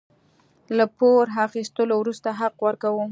له پور اخيستو وروسته حق ورکوو.